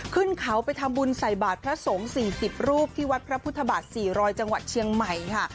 ขึ้นเขาไปทำบุญใส่บาทพระสงฆ์๔๐รูปที่วัดพระพุทธบาท๔๐๐จังหวัดเชียงใหม่ค่ะ